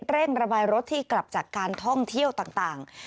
เร่งระบายรถที่กลับจากการท่องเที่ยวต่าง